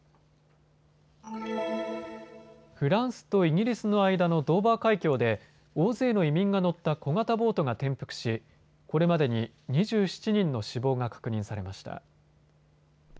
フランスとイギリスの間のドーバー海峡で大勢の移民が乗った小型ボートが転覆しこれまでに２７人の死亡が確認されました。